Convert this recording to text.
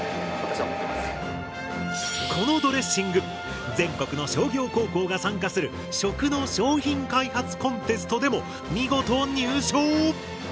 このドレッシング全国の商業高校が参加する食の商品開発コンテストでも見事入賞。